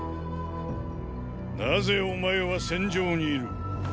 なぜお前は戦場にいる。